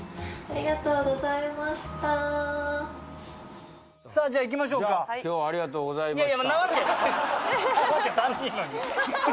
ありがとうございます。